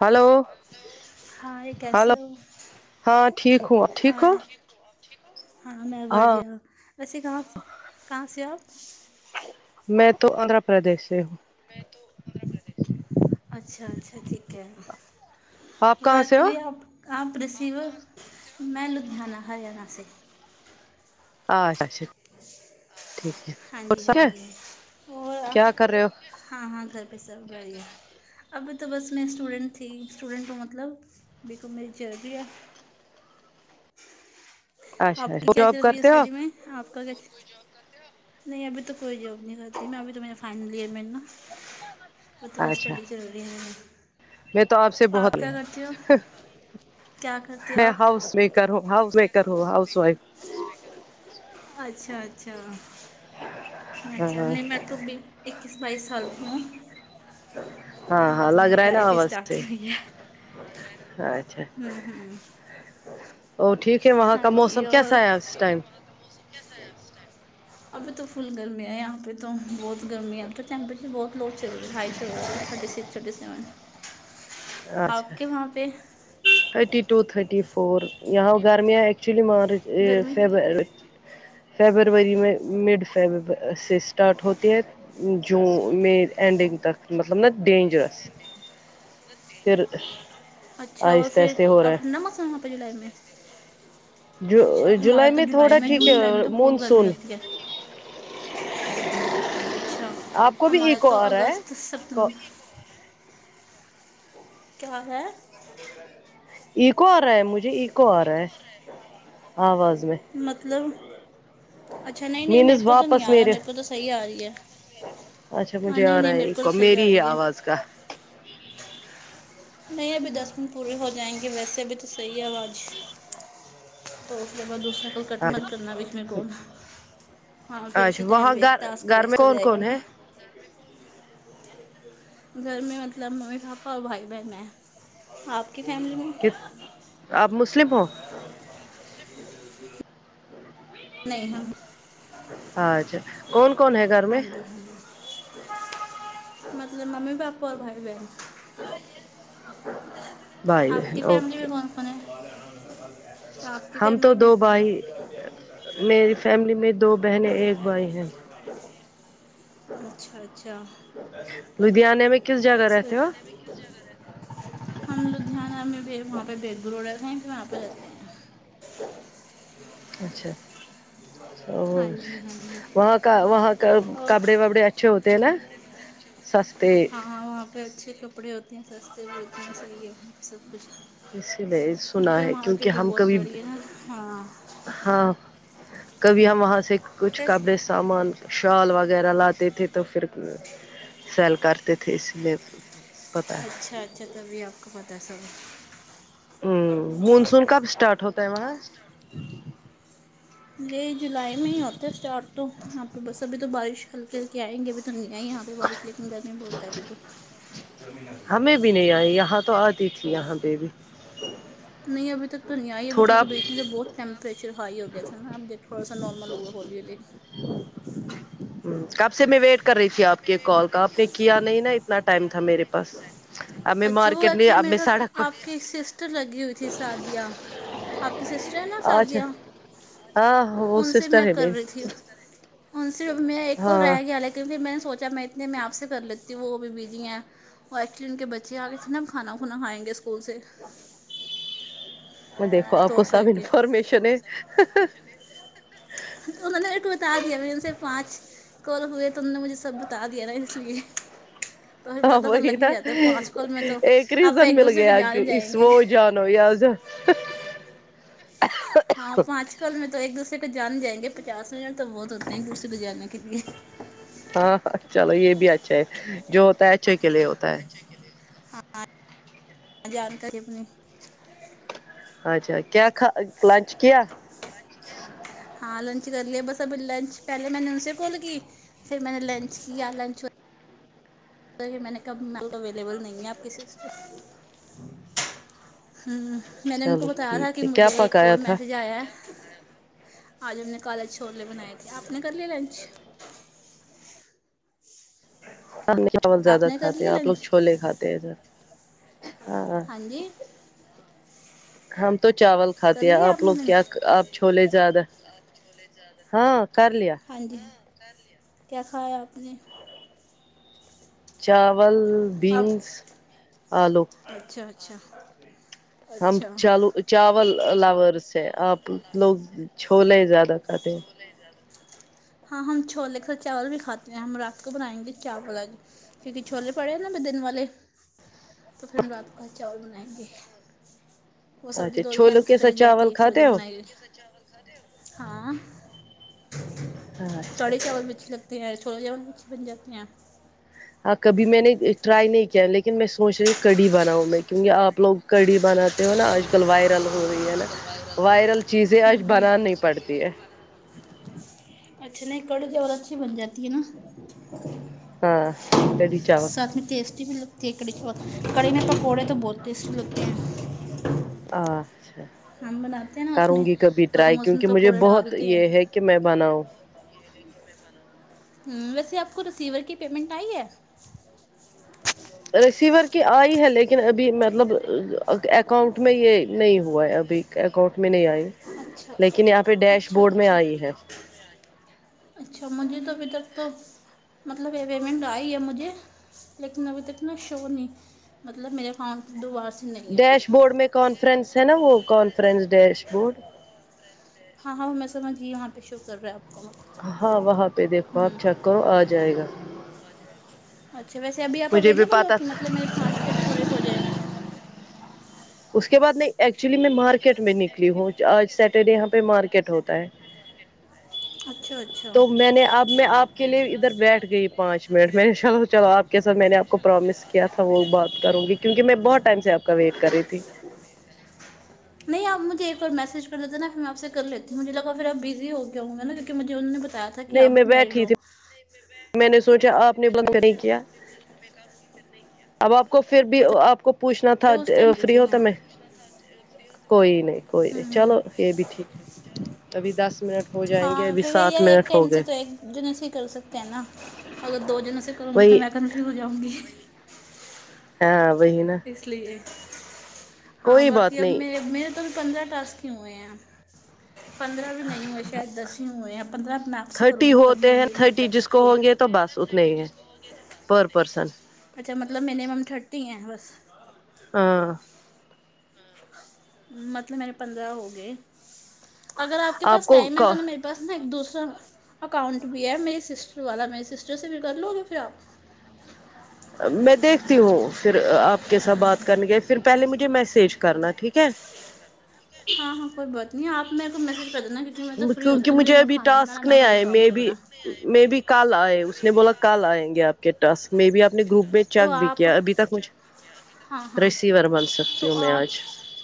hello hi کیسے hello ہو ہاں ٹھیک ہوں ٹھیک ہو ہائے ہاں میں بڑیا وسے کہاں سے کہاں سے آپ میں تو آندھرا پردیش سے ہوں میں تو اچھا اچھا ٹھیک ہے آپ وہ کہاں سے ہو ایکچولی آپ آپ ریسیور میں لدھیانہ ہریانہ سے اچا اچھا ٹھیک ہے ہاں اور جی ہاں سب ہے جی اور کیا کر رہے ہو ہاں ہاں گھر پہ سب بڑھیا ابھی تو بس میں اسٹوڈنٹ تھی اسٹوڈنٹ ہوں مطلب میںکو میری جری ہے اچھا آپ کی اچھا کیا جاب چل رہی ہے کرتے ہو اسٹڈی میں آپ کا کیا نہیں ابھی تو کوئی جاب نہیں کرتی میں ابھی تو میرا فائنل ایئر میں نا وہ تو بس اچھا اسٹڈی چل رہے ہے میں تو آپ سے بہت کیا کرتی ہو لوں کیا کرتے ہو میں آپ ہاؤس ویک کروں ہو ہاؤس میکر ہو ہاؤس وائف اچھا اچھا ہاں اچھا نہیں میں تو بی اکیس بائیس سال کی ہوں ہاں ابھی ہاں تو لگ میری رہا ہے نا لائف آواز اسٹارٹ سے ہی ہوئی ہے ہوں ہوں او ٹھیک ہے وہاں ہاں کا موسم کیسا ہے اس ٹائم کیسا ہے آپ اس ابھی تو فل گرمی ہے یہاں پہ تو بہت گرمی ہے اب تو ٹیمپریچر بہت لو چل رہا ہےائی توہے تھرٹی سکس تھرٹی سیون آپ اچھا کے وہاں پہ تھرٹی ٹو تھرٹی فور یہ آو گرمی آ ایکچولی مارچ گرمی فیب فیبروری میں مڈ فیب سے اسٹارٹ ہوتی ہے جو مئی اینڈنگ تک مطلب نا ڈینجرس پھر اچھا اور آہستہ پھر آہستہ ہو رہا اب ٹھنڈا موسم ہے وہاں پہ جولائی میں اچھا جو ہمارا تو جولائی تھوڑا میں ٹھیک جون جولائی میں ہے تو خوب گرمی مونسون ہوتی ہے اچھا آپ کو بھی ہمارا ایکو تو آ رہا ہے اگست سپتمبر کیاحال ہے ایککور ہے مجھے ایککو آ رہا ہے آواز میں مطلب اچھا نہیں نہیں میرے مینز کو تو نہیں واپس آ رہا میرے کو تو صحیح آ رہی ہے اچھا ہاں مجھے نہیں آ رہا نہیں ہے میرے کو ایکو صحیح میری آ ہی رہی ہے آواز کا نہیں ابھی دس منٹ پورے ہو جائیں گے ویسے ابھی تو صحیح ہے آواز تو اس کے بعد دوسر کول کٹ مت کرنا بیچ میں کول ہاں پھرایسے اچھا ٹائم وہاں گھر ویستا ٹاسک گھر میں ویسٹ ہو کون جائے گا کون نہ ہے گھر میں مطلب ممی پاپا اور بھائی بہن میں آپ کی فیملی میں کے آپ مسلم ہو نہیں ہم ہاں جا کون کون ہے گھر ہاں جی ہاں جی مطلب ممی پاپا اور بھائی بہن بھائی آپ بہن کی فیملی اوکے بھی کون کون ہے آپ کی ہم تو فیملی میں [unintelligible] دو بھائی میری فیملی میں دو بہنیں ایک بھائی ہیں اچھا اچھا لدھیانے میں کس جگہ اچھا رہتے ہو ہم لوگ [unintelligible] دہھن میں وہاں پہ بگ رو رہتے ہیں کہ وہاں پہ رہتے ہیں اچھا اور ہاں جی ہاں جی وہاں کا وہاں کا اور کپڑے وپڑے اچھے ہوتے ہیں نا سستے ہاں وہاں پہ اچھے کپ ڑے ہوتے ہیں سستے بھی ہوتے ہیں صحیح وہاں پہ سب کچھ اسی لیے یہاں سنا پہ ہے کیونکہ مارکیٹ بھی ہم بہت کبھی بڑی ہے نا ہاں ہاں کبھی ہم وہاں سے کچھ بس کپڑے سامان شال وغیرہ لاتے تھے تو پھر سیل کرتے تھے اس لیے پتہ ہے اچھا اچھا تبھی آپ کو پتا سب ہمم مونسون کب اسٹارٹ ہوتا ہے وہاں مے جولائی میں ہی ہوتا ہے اسٹارٹ تو یہاں پہ بس ابھی تو بارش ہلکے ہلکے آئیں گی ابھی نیا ہے یہاں پہ بارش لیکن گرمی بہت ہے ابھی تو ہمیں بھی نہیں آئی یہاں تو آتی تھی یہاں پہ بھی نہیں ابھی تک تو نہیں آئی ابھی تک تو تھوڑا بیچنے تو بہت ٹمپریچر ہائی ہو گیا تھا نا اب ج تھوڑا سا نارمل ہوا ہولی ہولی نہیں کب سے میں ویٹ کر رہی تھی آپ کے کال کا آپ نے کیا نہیں نا اتنا ٹائم تھا میرے پاس آپ اچھا وہ ایکچولی میرے ساتھ آپ کی سسٹر لگی ہوئی تھی سادیا آپ کے سسٹر ہیں نا اچھا سعدیہ ہاں وہ ان سے سسٹر میں ہے کر میری رہی تھی ان سے میں ایک کول رہ ہاں گیا ل کیونکہ میں سوچا میں اتنے میں آپ سے کر لیتی ہوں وہ ا بھی بزی ہیں اور ایکچولی ان کے بچے آ گئے تھے نا کھانا ہونا کھائیں گے اسکول سے میں دیکھو آپ تو کو کر سب کے انفارمیشن ہے انہوں نے میرے کو بتا دیا م ان سے پانچ کال ہوئے توم نے مجھے سب بتا دیا نا اس لیے تو پھر ہاں پتا تو وہی لگ ہی نا جاتا ہے پانچ کال میں تو ایک آپ ریزن ایک مل دوسرے کو گیا جانے کہ جائیں اس گے وہ جانو یا ج کو جا لو ییاز ہاں پانچ کال میں تو ایک دوسرے کو جان جائیں گے پچاس منٹ تو بہت ہوتے ہیں گور سے گ جانے کے لیے ہاں چلو یہ بھی اچھا ہے جو ہوتا ہے اچھے کے لیے ہوتا ہے ہاں ہاں جانکاری اپنی اچھا کیا لنچ کیا لنچ کیا ہاں لنچ کر لییا بس ابھی لنچ پہلے میں نے انسے کال کی پھر میں نے لنچ کیا لنچ میں نے کب اویلیبل نہیں ہے آپ کی سسٹر ہوں میں نے ان کو چلو بتایا تھا ٹھیک کہ ہے کیا مجھے ایک پکایا اور تھا میسج آیا ہے آج ہم نے کالا چھولے بنائے تھے آپ نے کر لیے لنچ چاول آپ زیادہ نے کر کھاتے ہیں لیا آپ لوگ لنچ چھولے کھاتے ہیں س ہاں ہاں جی ہم تو چاول کر کھاتے ہیں لیا آپ لوگ کیا آپ چھولے زیادہ آپ چھولے زیادہ ہاں کر لیا ہاں جی ہاں کر لیا کیا کھایا آپ نے چاول آپ بینس آلو اچھا اچھا ہم اچھا چالو چاول لورس ہیں آپ لوگ چھولے زیادہ کھاتے چھولے زیادہ ہاں ہم چھولے کا چاول بھی کھاتے ہیں ہم رات کو بنائیں گے چاول جی کیونکہ چھولے پڑے ہیں نا ابھی دن والے تو پھر ہم رات کو آ چاول بنائیں گے وہ سبزی اچھا دو چھولوں ٹائم تو کے چلی ساتھ جاتی چاول ہے ایک سبزی کھاتے ہو بنائی ہاں اچھا کڑی چاول پچ لگ تو چھولے جاممول ب بن جاتے ہیں ہاں کبھی میں نے ٹرائی نہیں کیا لیکن میں سوچ رہی کڑی بناؤ میں کیونکہ آپ لوگ کڑی بناتے ہو نا آج کل وائرل ہو رہی ہے نا وائرل چیزیں آج بنانی پڑتی ہے اچھا نہیں کڑی چاول اچھی بن جاتی ہے نا ہاں کڑی چاول ساتھ میں ٹیسٹی بھی لگتی کڑھیی کڑی میں پکوڑے تو بہت ٹیسٹی لگتے ہیں اچھا ہم بناتے ہیں نا اس میں کروں گی کبھی تو ٹرائی ہم اس میں کیونکہ مجھے پکوڑے بہت یہ ہے کہ میں بناؤں ہمم ویسے آپ کو ریسیور کی پیمنٹ آئی ہے ریسیور کی آئی ہے لیکن ابھی مطلب اکاؤنٹ میں یہ نہیں ہوا ہے ابھی اکاؤنٹ میں نہیں آئی اچھا لیکن یہاں کے ڈیش اچھا اچھا بورڈ میں آئی ہے اچھا مجھے تو ابھی تک تو مطلب یہ پیمنٹ آئی ہے مجھے لیکن ابھی تک نا شو نہیں مطلب میرے اکاؤن دوبار سے نہیں آئی ڈیش بورڈ میں کانفرنس ہے نا وہ کانفرنس ڈیش بورڈ ہاں ہاں میں سمجھی یہاں پہ شو کر رہا ہے آپ کو ہاں وہاں پہ دیکھو آپ ہوں چیک کرو آ جائے گا اچھا ویسے ابھی آپ مجھے بھی اویلیبل ہو پتا کی مطلب میرے پانچ منٹ پورے ہو جائیں اس کے بعد میں ایکچولی میں مارکیٹ میں نکلی ہوں آج سیٹرڈے یہاں پہ مارکیٹ ہوتا ہے اچھا اچھا تو میں نے اب میں آپ کے لیے ادھر بیٹھ گئی پانچ منٹ میں نے چلو چلو آپ کے ساتھ میں نے آپ کو پرامس کیا تھا وہ بات کروںگی کیونکہ میں بہت ٹائم سے آپ کا ویٹ کر رہی تھی نہیں آپ مجھے ایک بار میسج کر دیتے نا میں آپ سے کر لیتی مجھے لگا پھر آپ بزی ہوگیے ہونگے نا کیونہ مجھے انہوں نے بتایا تھا کیوںکی نہیں آپ میں بھی میرڈ بیٹھی ہو تھی میں نے سوںچا آپ نے بند تو نہیں کیا میں [unintelligible] پھر نہیں کیا اب آپ کو پھر بھی آپ کو پوچھنا تھا فری ہو تو میں ہاں کوئی نہیں کوئی نہیں چلو یہ بھی ٹھیک ہے ابھی دس منٹ ہو جائیں ہاں گے ہاں ابھی پھر نہ سات یار ایک منٹ ہو ٹائم سے گئے تو ایک جنوں سے ہی کر سکتے ہیں نا اگر دو جنوں سے کروںگی تو وہی میں کنفیوز ہو جاؤںگی ہاں وہی نہ اس لیے ہاں بات باقی اب نہیں میں اب میں تو ابھی پندرہ ٹاسک ہی ہوئے ہیں پندرہ بھی نہیں ہوئے شاید دس ہی ہوئے ہیں پندرہ اپنا تھرٹی ہوتے ہیں تھرٹی جس کو ہوں گے تو بس اتنے ہی ہیں پر پرسن اچھا مطلب مینمم تھرٹی ہیں بس ہاں مطلب میرے پندرہ ہو گئے اگر آپ کے پاس ٹائم ہے تو نا میرے بس نا ایک دوسرا اکاؤنٹ بھی ہے میری سسٹر والا میے سسٹر سے بھی کر لو گے پھر آپ میں دیکھتی ہوں پھر آپ کے ساتھ بات کرنے کے پھر پہلے مجھے میسج کرنا ٹھیک ہے ہاں ہاں کوئی بات نہیں آپ میں کو میسج کر دینا میں تو فری کیونکی ہوتی ہوں مجھے نہ ابھی کھانا بنانا ٹاسک نہ نہیں گھر کا آئے کام مے بھی کرنا مے بھی کل آئے اس نے بولا کل آئیںگے آپ کے ٹاسک مے بھی آپ نے گروپ میں تو چیک بھی آپ کیا ابھی تک مجھ ہاں ہاں رسیور بن سکتی تو ہوں میں آپ آج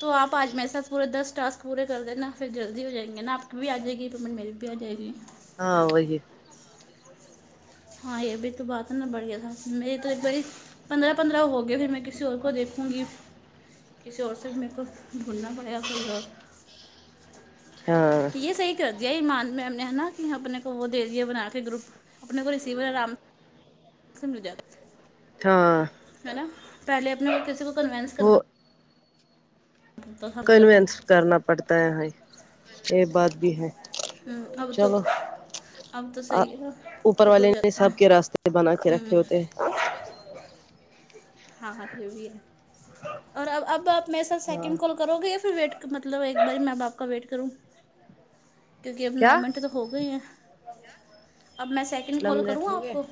تو آپ آج میسج پورے دس ٹاسک پورے کر دینا پھر جلدی ہو جائیںگی نہ آپ کی بھی آ جائے گی پیمنٹ میری بھی آ جائے گی ہاں وہی ہے ہاں یہ بھی تو بات نہ بڑھیا سا میری تو ایک بڑی پندرہ پندرہ ہو گئے پھر میں کسی اور کو دیکھوںگی کسی اور سے میرے کو ڈھونڈنا پڑیگا کوئی اور ہاں یہ صحیح کر دیا میم نے ہے ناکی اپنے کو وہ دے دیا بنا کے گروپ اپنے کو ریسیور آرام سے [unintelligible] ہاں ہے نا پہلے اپنے کو کسی کو کنوینس کرنا پڑتا تھا چلو کنویںس کرنا پڑتا ہے یہ بات بھی ہے اب تو چلو اب تو ا صحیح ہے اوپر خود ہو والے نے جاتے سب کے راستے بنا کے رکھے ہوتے ہیں کے راستے ہاں ہاں یہ بھی ہے اور اب اب آپ میرے ساتھ ہاں سیکنڈ کال کرو گے یا پھر ویٹ مطلب ایک بار میں باپ کا ویٹ کروں کیونکہ اب نو کیا منٹ ہے تو ہو گئی ہے کیا اب میں سیکنڈ نو کال کروں منٹ ہو آپ گئے کو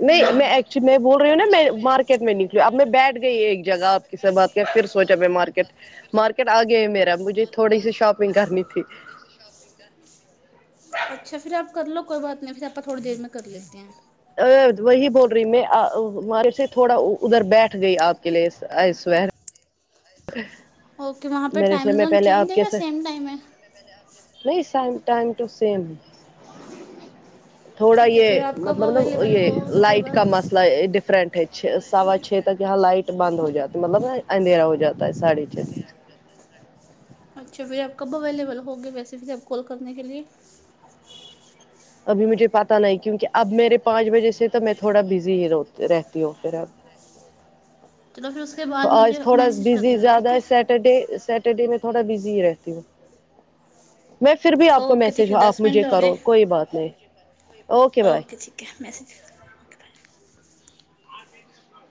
نہیں ہوں میں ایکچولی میں وہ ہے نا میں مارکیٹ میں نکلی اب میں بیٹھ گئی ایک جگہ آپ کس سے بات کیا پھر سوچا میں مارکیٹ مارکیٹ آ گیا ہے میرا مجھے تھوڑی سی شاپنگ کرنی تھی شاپنگ کرنی تھی اچھا پھر آپ کر لو کوئی بات نہیں پھر آپ تھوڑی دیر میں کر لیتے ہیں ا وہی بول رہی میں ا مارے سے تھوڑا ادھر بیٹھ گئی آپ کے لیے ای سویر اوکے وہاں پہ میرے ٹائم سر میں زون پہلے چینج آپ ہے یا کیسے سیم ٹائم ہے نہیں سیم ٹائم ٹو سیم تھوڑا ٹھیک ہے یہ پھر آپ کب مطلب نا اویلیبل یہ ہو کے لائٹ کا بعد مسئلہ ڈف رنٹ ہے چھ سوا چھ تک یہاں لائٹ بند ہو جاتی ہے مطلب اندھیرا ہو جاتا ہے ساڑھے چھ تک اچھا پھر آپ کب اویلیبل ہو گے ویسے پھر آپ کال کرنے کے لیے ابھی مجھے پتاہ نہیں کیونکہ اب میرے پانچ بجے سے تو میں تھوڑا بزی ہی رہ رہتی ہوں پھر اب چلو پھر اس کے بعد مجھے میسج کر دینا ٹھیک ہے سٹرڈے سیٹرڈے میں تھوڑا بزی ہی رہتی ہوں میں پھر بھی آپ کو اوکے ٹھیک میسج ہے ہ آپ دس منٹ مجھے ہو گئے کرو کوئی بات نہیں اوکے بائے کیا میسیج